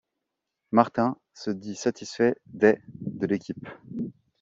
Martins se dit satisfait des de l'équipe.